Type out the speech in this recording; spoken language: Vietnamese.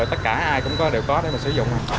rồi tất cả ai cũng đều có để sử dụng